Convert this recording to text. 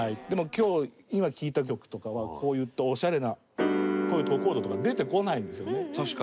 でも、今日、今聴いた曲とかはこういったオシャレなこういったコードとか出てこないんですよね。